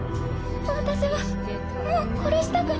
私はもう殺したくなくて。